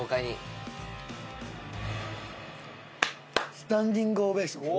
スタンディングオベーション。